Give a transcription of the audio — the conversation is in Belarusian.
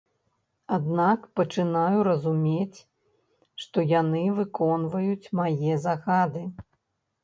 Аднак пачынаю разумець, што яны выконваюць мае загады!